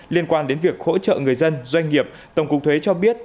liên quan đến việc hỗ trợ người dân doanh nghiệp tổng cục thuế cho biết